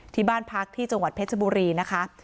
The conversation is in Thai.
ที่บ้านพักที่จังหวัดเพชรบุรีนะคะ